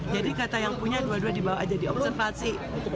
jadi kata yang punya dua duanya dibawa aja diobservasi